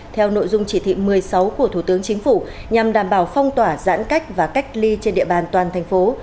theo nội dung chỉ thị một mươi sáu của thủ tướng chính phủ nhằm đảm bảo phong tỏa giãn cách và cách ly trên địa bàn toàn thành phố